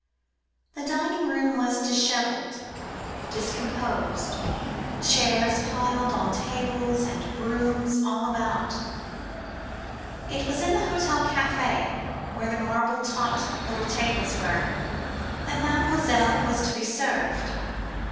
The dining room was dishevelled, discomposed; chairs piled on tables and brooms all about. It was in the hotel café, where the marble topped little tables were, that Mademoiselle would be served.